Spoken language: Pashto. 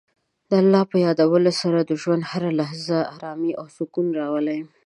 د الله په یادولو سره د ژوند هره لحظه ارامۍ او سکون راولي.